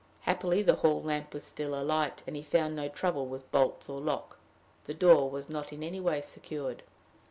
Happily the hall lamp was still alight, and he found no trouble with bolts or lock: the door was not any way secured.